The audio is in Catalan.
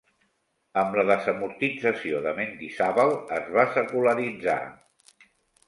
Amb la desamortització de Mendizábal es va secularitzar.